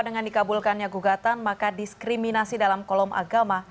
dengan dikabulkannya gugatan maka diskriminasi dalam kolom agama